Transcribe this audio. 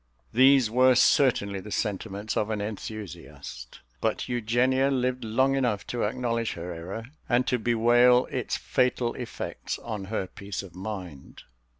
These were certainly the sentiments of an enthusiast; but Eugenia lived long enough to acknowledge her error, and to bewail its fatal effects on her peace of mind.